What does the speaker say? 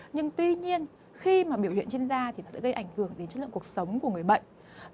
nhưng tuy nhiên khi mà biểu hiện trên da thì nó sẽ gây ảnh hưởng đến chất lượng cuộc sống của người bệnh